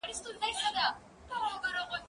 خبري د زده کوونکي له خوا کيږي؟!